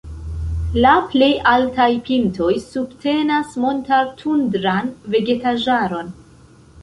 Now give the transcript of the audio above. La plej altaj pintoj subtenas montar-tundran vegetaĵaron.